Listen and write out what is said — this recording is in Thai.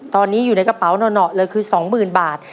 ตอนนี้อยู่ในกระเป๋าหน่อเลยคือ๒๐๐๐บาท